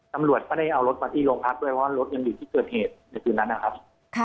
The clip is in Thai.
ตำรวจก็ได้เอารถมาที่โรงพักด้วยเพราะว่ารถยังอยู่ที่เกิดเหตุในคืนนั้นนะครับ